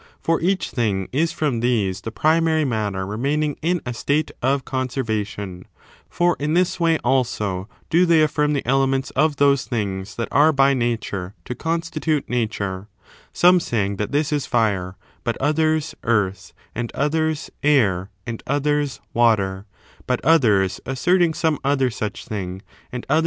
For each thing is from these, the pri mary matter remaining in a state of conservation ; for in this way, also, do they affirm the elements of those things that are by Nature to constitute Nature; some saying that this is fire, but others, earth, and others, air, and others, water : but others asserting some other such thing, and others, some of these, but others, all of them.